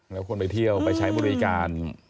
แล้วคนไปเที่ยวไปใช้บริการ